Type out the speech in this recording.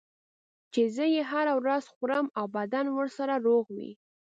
چې زه یې هره ورځ خورم او بدنم ورسره روغ وي.